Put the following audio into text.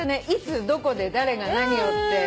いつどこで誰が何をって。